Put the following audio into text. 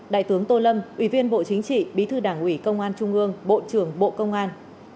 đại tướng tô lâm ủy viên bộ chính trị bí thư đảng ủy công an trung ương bộ trưởng bộ công an